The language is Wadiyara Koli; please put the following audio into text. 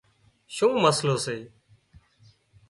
شُون مسئلو سي